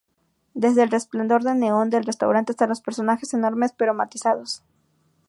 Desde el resplandor de neón del restaurante, hasta los personajes enormes pero matizados".